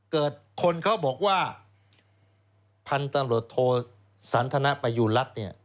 เกิดคนเขาบอกว่าพันธนโลโทสันธนประยุรัติเนี่ย